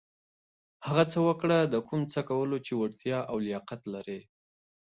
هغه څه وکړه د کوم څه کولو چې وړتېا او لياقت لرٸ.